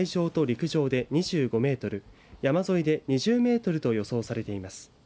陸上で２５メートル山沿いで２０メートルと予想されています。